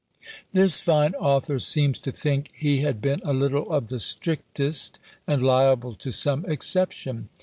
This fine author seems to think he had been a little of the strictest, and liable to some exception.